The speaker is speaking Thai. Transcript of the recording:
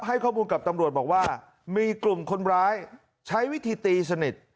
ให้ข้อมูลกับตำรวจบอกว่ามีกลุ่มคนร้ายใช้วิธีตีสนิท